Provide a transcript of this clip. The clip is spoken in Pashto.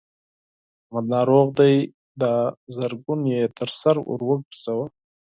احمد ناروغ دی؛ دا زرګون يې تر سر ور ګورځوه.